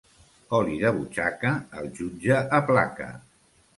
Oli de butxaca el jutge aplaca.